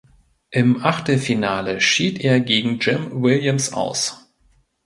Im Achtelfinale schied er gegen Jim Williams aus.